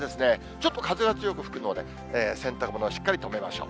ちょっと風が強く吹くので、洗濯物はしっかり止めましょう。